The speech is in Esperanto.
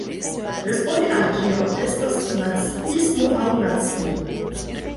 Respondi al "Kio estas naciismo aŭ nacio?